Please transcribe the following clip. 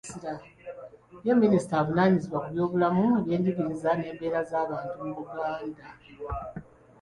Ye mnisita avunaanyizibwa ku by'obulamu, ebyenjigiriza n'embeera z'abantu mu Buganda.